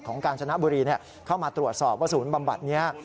กาญจนบุรีเข้ามาตรวจสอบว่าศูนย์บำบัดนี้